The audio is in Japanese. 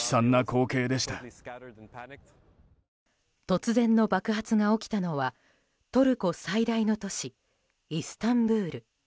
突然の爆発が起きたのはトルコ最大の都市イスタンブール。